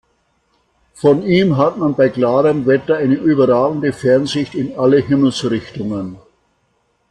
Von ihm hat man bei klarem Wetter eine überragende Fernsicht in alle Himmelsrichtungen.